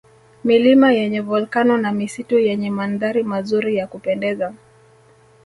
Milima yenye Volkano na misitu yenye mandhari mazuri ya kupendeza